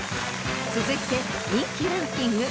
［続いて人気ランキング